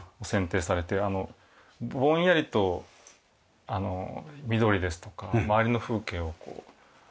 ぼんやりとあの緑ですとか周りの風景をこう。